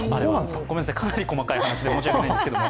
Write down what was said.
かなり細かい話で申し訳ないんですが。